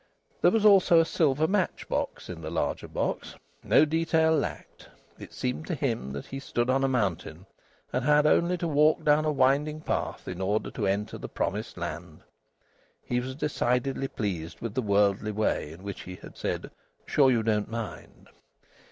There was also a silver match box in the larger box. No detail lacked. It seemed to him that he stood on a mountain and had only to walk down a winding path in order to enter the promised land. He was decidedly pleased with the worldly way in which he had said: "Sure you don't mind?"